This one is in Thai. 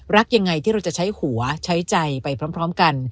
รักยังไงที่เราจะใช้หัวใช้ใจไปพร้อมกัน